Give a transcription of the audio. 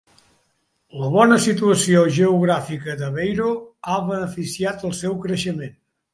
La bona situació geogràfica d'Aveiro ha beneficiat el seu creixement.